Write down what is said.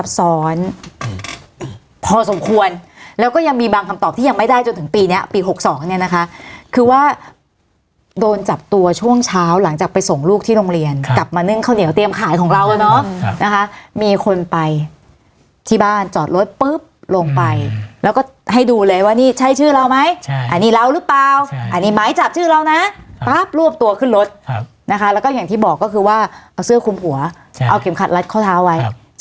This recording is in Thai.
ต้องเช้าหลังจากไปส่งลูกที่โรงเรียนครับกลับมานึ่งข้าวเหนียวเตรียมขายของเราแล้วเนอะครับนะคะมีคนไปที่บ้านจอดรถปึ๊บลงไปแล้วก็ให้ดูเลยว่านี่ใช่ชื่อเราไหมใช่อันนี้เรารึเปล่าใช่อันนี้หมายจับชื่อเรานะครับปั๊บรวบตัวขึ้นรถครับนะคะแล้วก็อย่างที่บอกก็คือว่าเอาเสื้อคุมหัวใช่เอาเก็มขัดรัดข้าวเท้าไว้